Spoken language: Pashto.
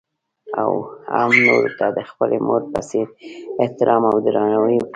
او هـم نـورو تـه د خـپلې مـور پـه څـېـر احتـرام او درنـاوى وکـړي.